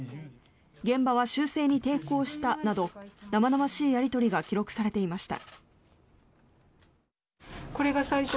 現場は修正に抵抗したなど生々しいやり取りが記録されていました。